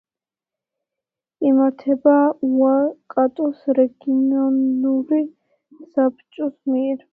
იმართება უაიკატოს რეგიონული საბჭოს მიერ.